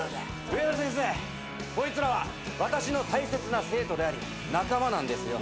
上田先生こいつらは私の大切な生徒であり仲間なんですよ。